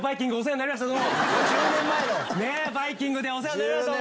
『バイキング』でお世話になりました。